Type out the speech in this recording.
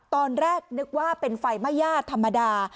ตอนแรกนึกว่าเป็นไฟไหม้ย่าธรรมดา